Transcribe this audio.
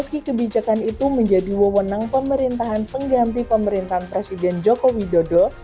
meski kebijakan itu menjadi wewenang pemerintahan pengganti pemerintahan presiden joko widodo